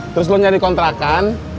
terus lu nyari kontrakan